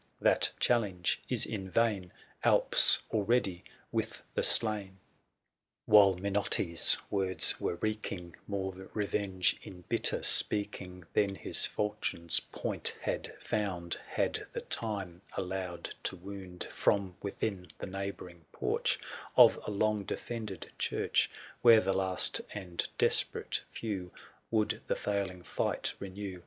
— That challenge is in vainn 820 Alp's already with the slain ' While Minotti's words were wreaking More revenge in bitter speaking Than his falchion's point had found', Had the time allowed to wound, 825 From within the neighbouring poreh Of a long defended church, Where the last and desperate few Would the failing fight renew.